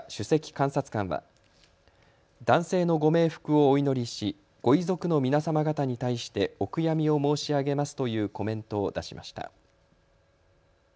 監察官は男性のご冥福をお祈りしご遺族の皆様方に対してお悔やみを申し上げますというコメントを出しました。